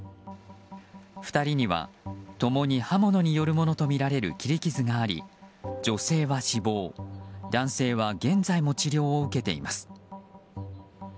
２人には共に刃物によるものとみられる切り傷があり女性は死亡、男性は現在も治療を受けています。